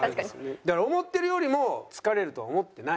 だから思ってるよりも疲れるとは思ってない。